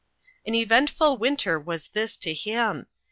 An eventful winter this was to him.